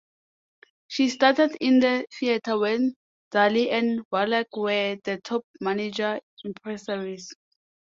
She started in the theater when Daly and Wallack were the top manager impresarios.